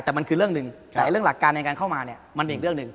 แต่มันคือเรื่องหนึ่งแต่เรื่องหลักการในการเข้ามาเนี่ยมันเป็นอีกเรื่องหนึ่ง